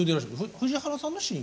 藤原さんの親友？